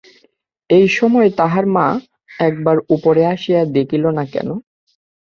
এই সময় তাহার মা একবার উপরে আসিয়া দেখিল না কেন?